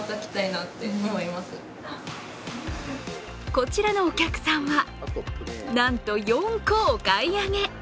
こちらのお客さんはなんと４個お買い上げ。